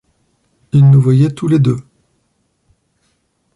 il nous voyait tous les deux.